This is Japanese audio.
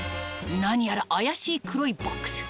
何やら怪しい黒いボックス